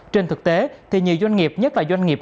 trên thực tế thì nhiều doanh nghiệp nhất là doanh nghiệp